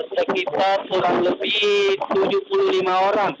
sekitar kurang lebih tujuh puluh lima orang